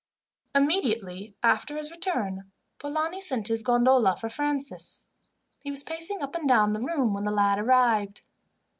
Immediately after his return, Polani sent his gondola for Francis. He was pacing up and down the room when the lad arrived.